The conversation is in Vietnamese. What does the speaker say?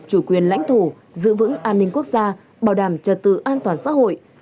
chủ quyền lãnh thổ giữ vững an ninh quốc gia bảo đảm trật tự an toàn xã hội